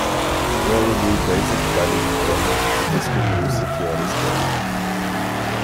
Eu aluguei dez hectares de terra e descobriu-se que era estéril.